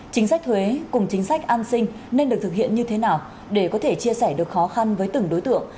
chính sách thuế cùng chính sách an sinh nên được thực hiện như thế nào để có thể chia sẻ được khó khăn với từng đối tượng